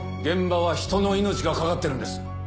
現場は人の命がかかってるんです。